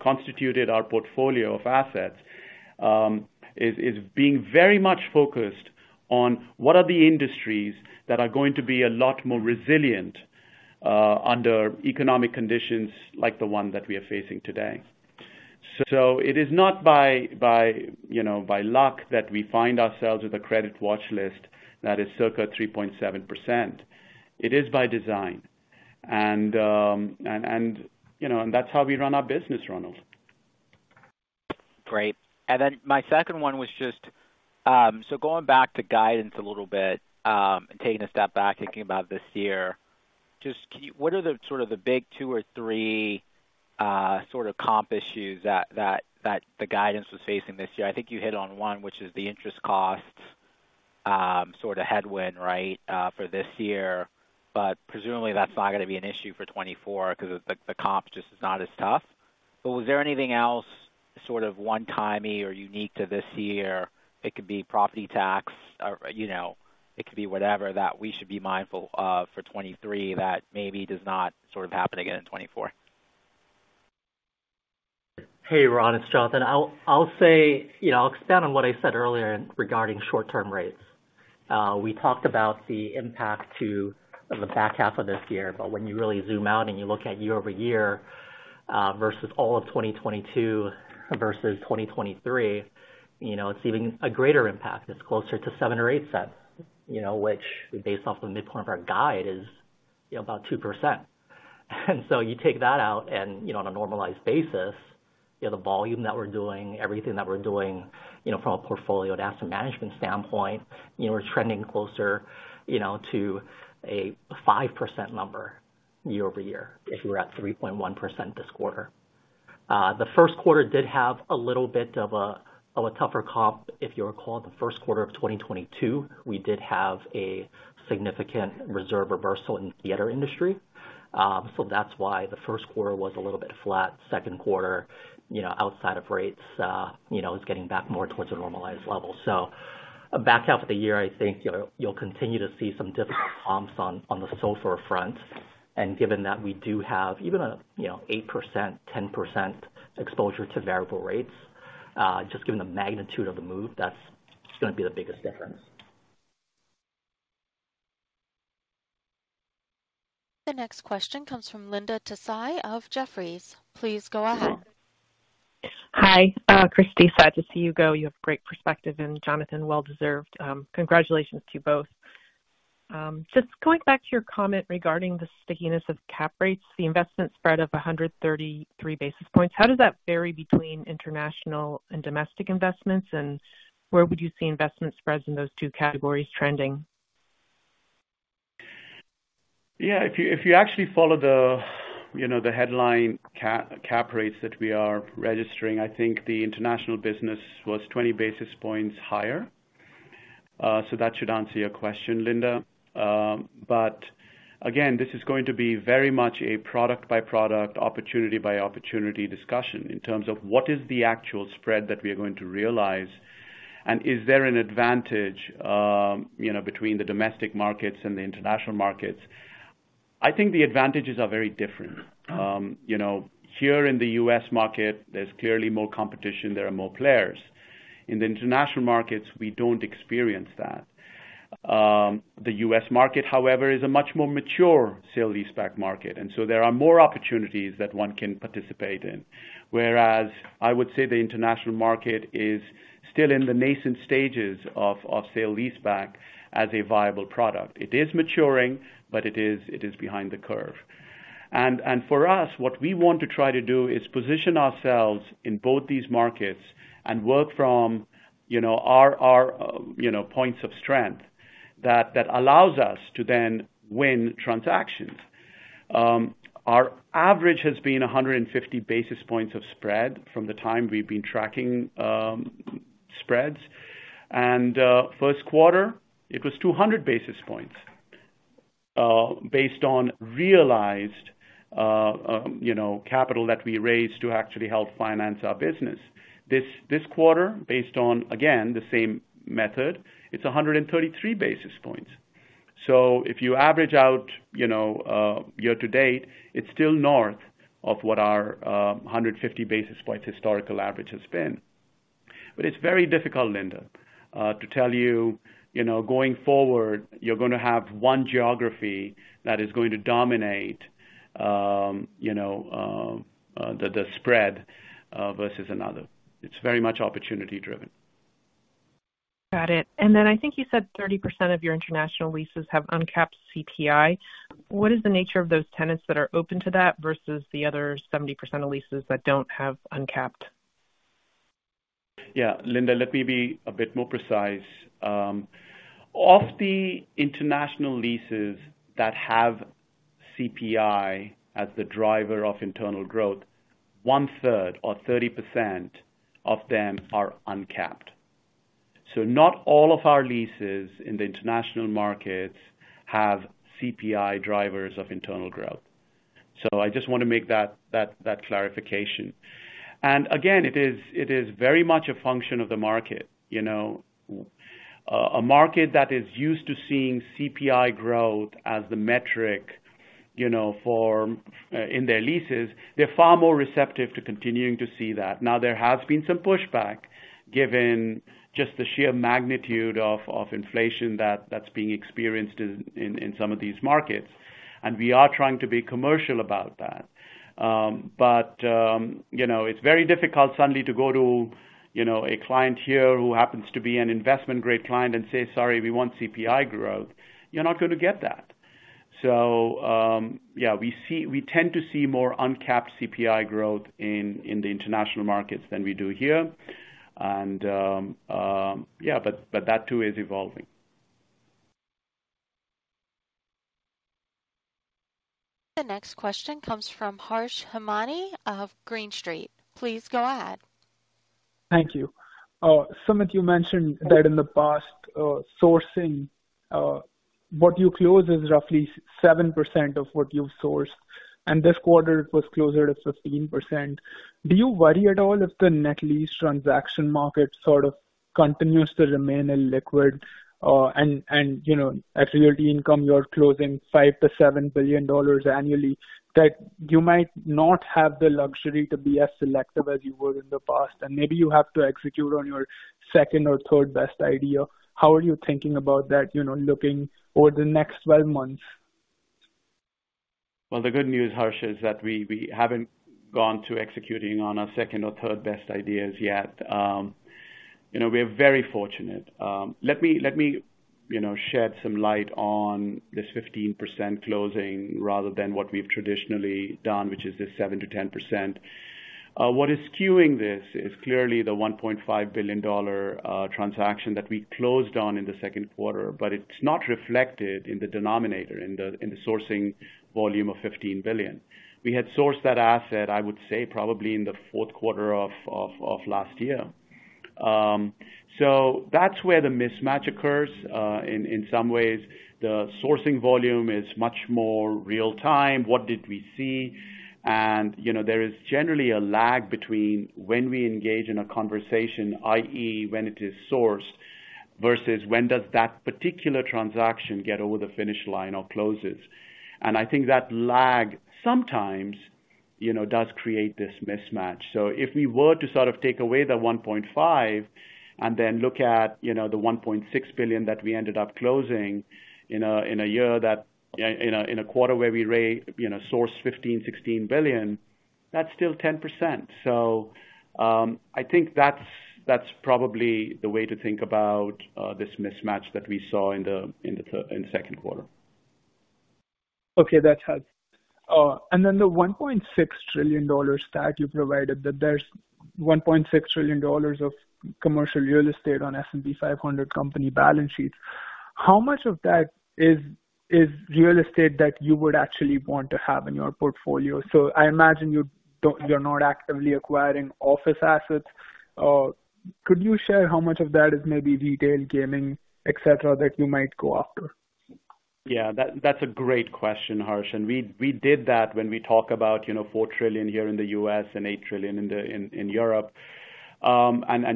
constituted our portfolio of assets, is being very much focused on what are the industries that are going to be a lot more resilient under economic conditions like the one that we are facing today. It is not by, by, you know, by luck that we find ourselves with a credit watch list that is circa 3.7%. It is by design. You know, that's how we run our business, Ronald. Great. My second one was just, going back to guidance a little bit, and taking a step back, thinking about this year, just can you-- what are the sort of the big 2 or 3, sort of comp issues that, that, that the guidance was facing this year? I think you hit on one, which is the interest cost, sort of headwind, right, for this year. Presumably that's not gonna be an issue for 2024 because the, the comp just is not as tough. Was there anything else sort of one-timey or unique to this year? It could be property tax or, you know, it could be whatever that we should be mindful of for 2023 that maybe does not sort of happen again in 2024. Hey, Ron, it's Jonathan. I'll, I'll say... You know, I'll expand on what I said earlier regarding short-term rates. We talked about the impact to the back half of this year, but when you really zoom out and you look at year-over-year, versus all of 2022 versus 2023, you know, it's even a greater impact. It's closer to $0.07 or $0.08, you know, which based off the midpoint of our guide, is, you know, about 2%. So you take that out and, you know, on a normalized basis, you know, the volume that we're doing, everything that we're doing, you know, from a portfolio and asset management standpoint, you know, we're trending closer, you know, to a 5% number year-over-year, if we're at 3.1% this quarter. The first quarter did have a little bit of a of a tougher comp. If you recall, the first quarter of 2022, we did have a significant reserve reversal in the theater industry. That's why the first quarter was a little bit flat. Second quarter, you know, outside of rates, you know, is getting back more towards a normalized level. Back half of the year, I think you'll you'll continue to see some difficult comps on the SOFR front. Given that we do have even a you know, 8%, 10% exposure to variable rates, just given the magnitude of the move, that's gonna be the biggest difference. The next question comes from Linda Tsai of Jefferies. Please go ahead. Hi. Christie, sad to see you go. You have great perspective, and Jonathan, well-deserved. Congratulations to you both. Just going back to your comment regarding the stickiness of cap rates, the investment spread of 133 basis points, how does that vary between international and domestic investments? Where would you see investment spreads in those two categories trending? Yeah, if you, if you actually follow the, you know, the headline cap rates that we are registering, I think the international business was 20 basis points higher. That should answer your question, Linda. Again, this is going to be very much a product-by-product, opportunity-by-opportunity discussion in terms of what is the actual spread that we are going to realize, and is there an advantage, you know, between the domestic markets and the international markets? I think the advantages are very different. You know, here in the U.S. market, there's clearly more competition, there are more players. In the international markets, we don't experience that. The U.S. market, however, is a much more mature sale-leaseback market, and so there are more opportunities that one can participate in. Whereas I would say the international market is still in the nascent stages of, of sale-leaseback as a viable product. It is maturing, but it is, it is behind the curve. For us, what we want to try to do is position ourselves in both these markets and work from, you know, our, our, you know, points of strength, that, that allows us to then win transactions. Our average has been 150 basis points of spread from the time we've been tracking spreads, and first quarter, it was 200 basis points based on realized, you know, capital that we raised to actually help finance our business. This, this quarter, based on, again, the same method, it's 133 basis points. If you average out, you know, year to date, it's still north of what our 150 basis points historical average has been. It's very difficult, Linda, to tell you, you know, going forward, you're gonna have one geography that is going to dominate, you know, the spread versus another. It's very much opportunity driven. Got it. Then I think you said 30% of your international leases have uncapped CPI. What is the nature of those tenants that are open to that versus the other 70% of leases that don't have uncapped? Yeah, Linda, let me be a bit more precise. Of the international leases that have CPI as the driver of internal growth, 1/3 or 30% of them are uncapped. Not all of our leases in the international markets have CPI drivers of internal growth. I just want to make that clarification. Again, it is very much a function of the market. You know, a market that is used to seeing CPI growth as the metric, you know, for in their leases, they're far more receptive to continuing to see that. There has been some pushback, given just the sheer magnitude of inflation that's being experienced in some of these markets, and we are trying to be commercial about that. You know, it's very difficult suddenly to go to, you know, a client here who happens to be an investment grade client and say: Sorry, we want CPI growth. You're not going to get that. Yeah, we see-- we tend to see more uncapped CPI growth in, in the international markets than we do here. Yeah, but, but that too is evolving. The next question comes from Harsh Hemnani of Green Street. Please go ahead. Thank you. Sumit, you mentioned that in the past, sourcing, what you close is roughly 7% of what you've sourced, and this quarter it was closer to 15%. Do you worry at all if the net lease transaction market sort of continues to remain illiquid, and, you know, at Realty Income, you're closing $5 billion-$7 billion annually, that you might not have the luxury to be as selective as you were in the past, and maybe you have to execute on your second or third best idea? How are you thinking about that, you know, looking over the next 12 months? Well, the good news, Harsh, is that we haven't gone to executing on our second or third best ideas yet. You know, we're very fortunate. Let me, let me, you know, shed some light on this 15% closing rather than what we've traditionally done, which is this 7%-10%. What is skewing this is clearly the $1.5 billion transaction that we closed on in the second quarter, but it's not reflected in the denominator, in the sourcing volume of $15 billion. We had sourced that asset, I would say, probably in the fourth quarter of last year. That's where the mismatch occurs. In some ways, the sourcing volume is much more real time. What did we see? You know, there is generally a lag between when we engage in a conversation, i.e., when it is sourced, versus when does that particular transaction get over the finish line or closes. I think that lag sometimes, you know, does create this mismatch. If we were to sort of take away the 1.5 and then look at, you know, the $1.6 billion that we ended up closing in a, in a year that, in a quarter where we, you know, sourced $15 billion-$16 billion, that's still 10%. I think that's, that's probably the way to think about this mismatch that we saw in the second quarter. Okay, that helps. The $1.6 trillion stat you provided, that there's $1.6 trillion of commercial real estate on S&P 500 company balance sheets. How much of that is, is real estate that you would actually want to have in your portfolio? I imagine you don't you're not actively acquiring office assets. Could you share how much of that is maybe retail, gaming, etc., that you might go after? Yeah, that, that's a great question, Harsh, and we, we did that when we talk about, you know, $4 trillion here in the US and $8 trillion in the, in, in Europe.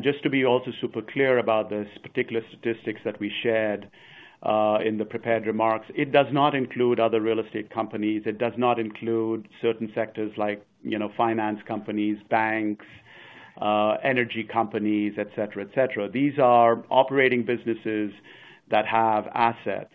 Just to be also super clear about this particular statistics that we shared, in the prepared remarks, it does not include other real estate companies. It does not include certain sectors like, you know, finance companies, banks, energy companies, etc., etc. These are operating businesses that have assets.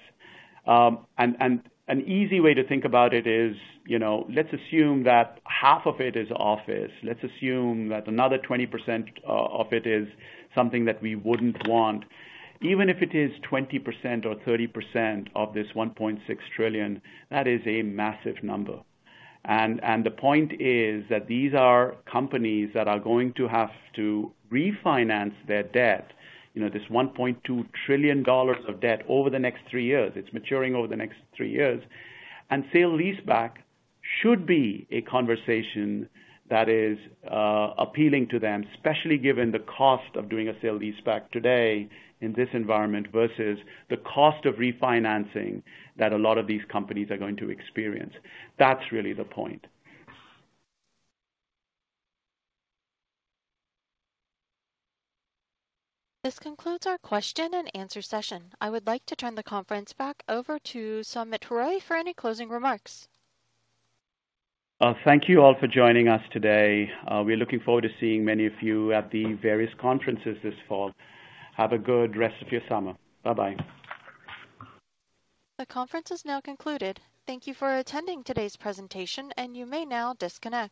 An easy way to think about it is, you know, let's assume that half of it is office. Let's assume that another 20% of it is something that we wouldn't want. Even if it is 20% or 30% of this $1.6 trillion, that is a massive number. The point is that these are companies that are going to have to refinance their debt, you know, this $1.2 trillion of debt over the next three years. It's maturing over the next three years. sale-leaseback should be a conversation that is appealing to them, especially given the cost of doing a sale-leaseback today in this environment, versus the cost of refinancing that a lot of these companies are going to experience. That's really the point. This concludes our question and answer session. I would like to turn the conference back over to Sumit Roy for any closing remarks. Thank you all for joining us today. We're looking forward to seeing many of you at the various conferences this fall. Have a good rest of your summer. Bye-bye. The conference is now concluded. Thank you for attending today's presentation. You may now disconnect.